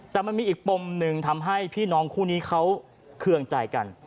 แต่มันมีอีกปมหนึ่งทำให้พี่น้องคู่นี้เขาเคืองใจกัน